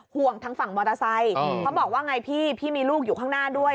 ห่วงทางฝั่งมอเตอร์ไซค์เขาบอกว่าไงพี่พี่มีลูกอยู่ข้างหน้าด้วย